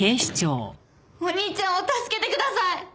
お兄ちゃんを助けてください！